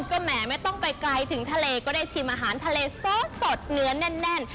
ก็แหมไม่ต้องไปไกลถึงทะเลก็ได้ชิมอาหารทะเลซอสสดเนื้อแน่น